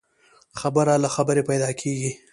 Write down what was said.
خبره له خبري پيدا کېږي.